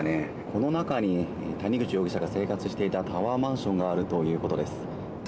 この中に、谷口容疑者が生活していたタワーマンションがあるということです。